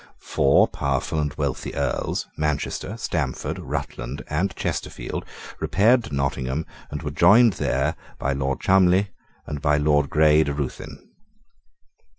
Four powerful and wealthy Earls, Manchester, Stamford, Rutland, and Chesterfield, repaired to Nottingham, and were joined there by Lord Cholmondley and by Lord Grey de Ruthyn.